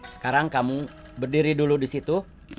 sekarang kamu berdiri dulu disitu